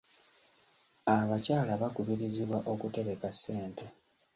Abakyala bakubirizibwa okutereka ssente.